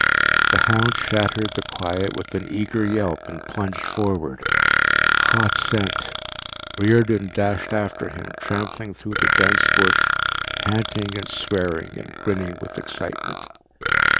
The hound shattered the quiet with an eager yelp and plunged forward. Hot scent! Riordan dashed after him, trampling through dense bush, panting and swearing and grinning with excitement.